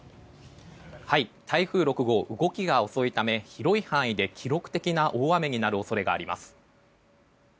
台風６号、動きが遅いため広い範囲で記録的な大雨になる恐れがあります。